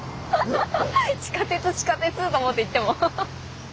「地下鉄地下鉄」と思って行っても。